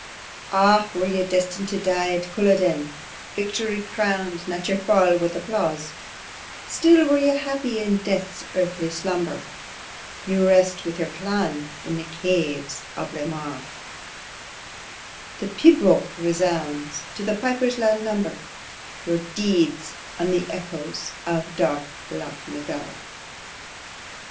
Ah! were you destined to die at Culloden, Victory crown'd not your fall with applause: Still were you happy, in death's earthy slumber, You rest with your clan, in the caves of Braemar; The Pibroch resounds, to the piper's loud number, Your deeds, on the echoes of dark Loch na Garr.